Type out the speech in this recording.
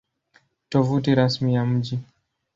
Tovuti Rasmi ya Mji